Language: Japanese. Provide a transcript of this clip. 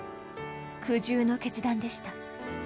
苦渋の決断でした。